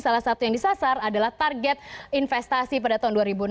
salah satu yang disasar adalah target investasi pada tahun dua ribu enam belas